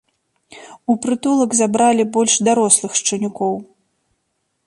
У прытулак забралі больш дарослых шчанюкоў.